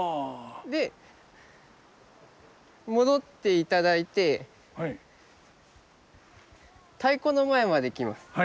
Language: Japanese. で戻っていただいて太鼓の前まで来ます。